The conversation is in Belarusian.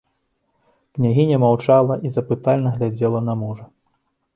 Княгіня маўчала і запытальна глядзела на мужа.